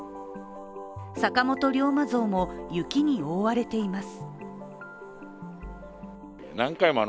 坂本龍馬像も雪に覆われています。